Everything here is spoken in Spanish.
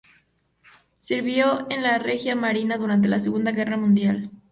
Sirvió en la Regia Marina durante la Segunda Guerra Mundial.